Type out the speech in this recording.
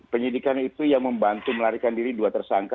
penyidikan itu yang membantu melarikan diri dua tersangka